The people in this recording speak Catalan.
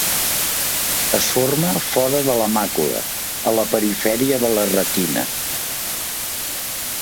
Es forma fora de la màcula, a la perifèria de la retina.